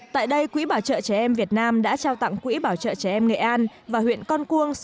tại đây quỹ bảo trợ trẻ em việt nam đã trao tặng quỹ bảo trợ trẻ em nghệ an và huyện con cuông